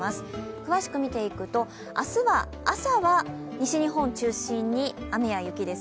詳しく見ていくと、明日は朝は西日本中心に雨や雪です。